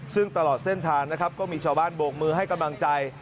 ซึ่งตลอดเส้นทางนะครับก็มีชาวบ้านโบกมือให้กำลังใจ